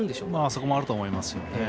そこもあると思います。